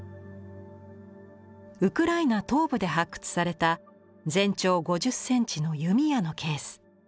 ウクライナ東部で発掘された全長５０ｃｍの弓矢のケース。